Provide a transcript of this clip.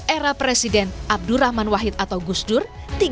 era presiden abdurrahman wahid atau gus dur